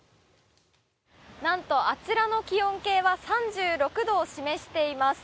なんと、あちらの気温計は３６度を示しています。